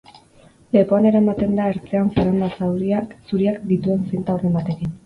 Lepoan eramaten da ertzean zerrenda zuriak dituen zinta urdin batekin.